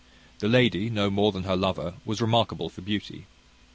The lady, no more than her lover, was remarkable for beauty.